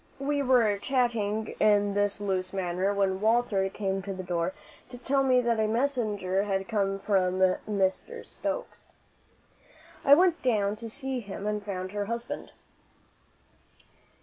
We were chatting in this loose manner when Walter came to the door to tell me that a messenger had come from Mrs. Stokes. I went down to see him, and found her husband.